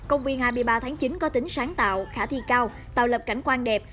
công viên hai mươi ba tháng chín có tính sáng tạo khả thi cao tạo lập cảnh quan đẹp